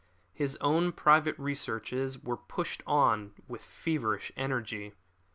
His own private researches were pushed on with feverish energy.